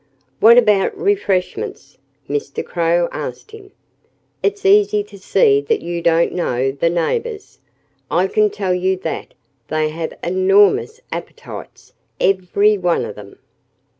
"What about refreshments?" Mr. Crow asked him. "It's easy to see that you don't know the neighbors. I can tell you that they have enormous appetites every one of them."